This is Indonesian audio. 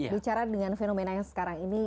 bicara dengan fenomena yang sekarang ini